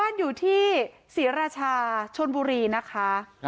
อยู่ที่ศรีราชาชนบุรีนะคะ